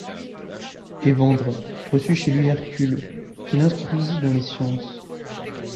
Évandre reçut chez lui Hercule qui l'instruisit dans les sciences.